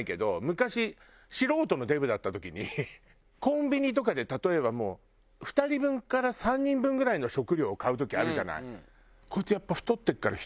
昔素人のデブだった時にコンビニとかで例えばもう２人分から３人分ぐらいの食料を買う時あるじゃない？